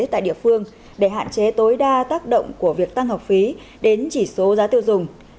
tại địa phương để hạn chế tối đa tác động của việc tăng học phí đến chỉ số giá tiêu dùng